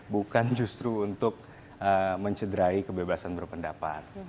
bukan justru untuk mencederai kebebasan berpendapat